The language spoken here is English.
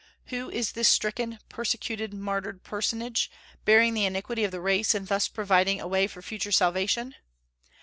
Who is this stricken, persecuted, martyred personage, bearing the iniquity of the race, and thus providing a way for future salvation?